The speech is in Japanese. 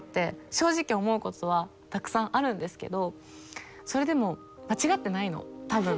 正直思うことはたくさんあるんですけどそれでも間違ってないの多分。